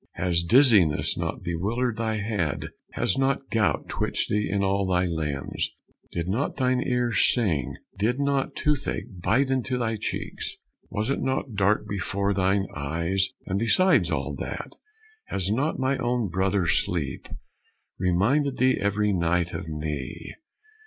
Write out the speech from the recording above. Has dizziness not bewildered thy head? Has not gout twitched thee in all thy limbs? Did not thine ears sing? Did not tooth ache bite into thy cheeks? Was it not dark before thine eyes? And besides all that, has not my own brother Sleep reminded thee every night of me?